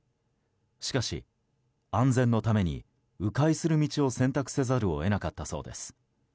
しかし、安全のために迂回する道を選択せざるを得なかったそうです。